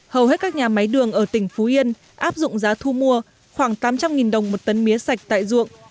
hầu hết các nhà máy đường ở tỉnh phú yên áp dụng giá thu mua khoảng tám trăm linh đồng một tấn mía sạch tại ruộng